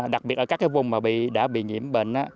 đặc biệt ở các vùng đã bị nhiễm bệnh